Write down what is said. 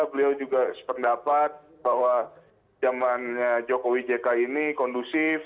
beliau juga sependapat bahwa zamannya jokowi jk ini kondusif